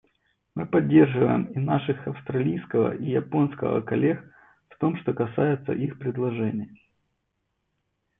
Мы поддерживаем и наших австралийского и японского коллег в том, что касается их предложений.